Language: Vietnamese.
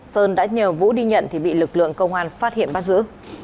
sơn đã nhờ vũ đi nhận thì bị lực lượng công an phát hiện bắt giữ